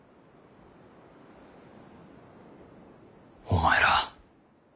お前ら。